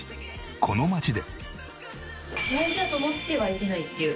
この街で。